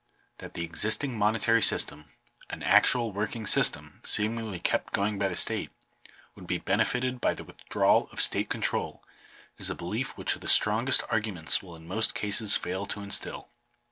That the existing monetary system — an actual working system, seemingly kept going by the state — would be benefited by the withdrawal of state control, is a belief which the strongest arguments will in most cases fail to instil.